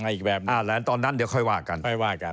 มาอีกแบบแล้วค่อยว่ากัน